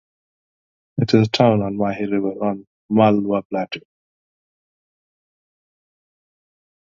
It is a town on Mahi river on the Malwa plateau.